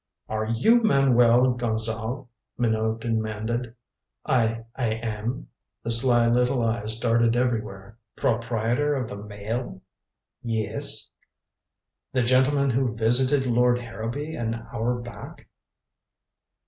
"Are you Manuel Gonzale?" Minot demanded. "I I am." The sly little eyes darted everywhere. "Proprietor of the Mail?" "Yes." "The gentleman who visited Lord Harrowby an hour back?"